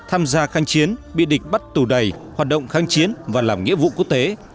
tham gia kháng chiến bị địch bắt tù đầy hoạt động kháng chiến và làm nghĩa vụ quốc tế